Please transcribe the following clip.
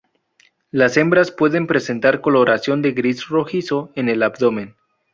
Las hembras pueden presentar coloraciones de gris rojizo en el abdomen.